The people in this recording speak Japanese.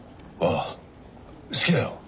あ好きだよ。